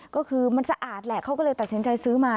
ก็คือมันสะอาดแหละเขาก็เลยตัดสินใจซื้อมา